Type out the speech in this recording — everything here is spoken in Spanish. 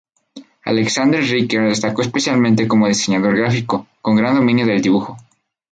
Alexandre Riquer destacó especialmente como diseñador gráfico, con gran dominio del dibujo.